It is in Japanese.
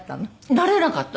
なれなかった。